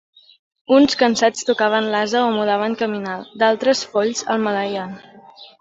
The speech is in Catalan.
Uns, cansats, tocaven l'ase o mudaven caminal; d'altres, folls, el maleïen.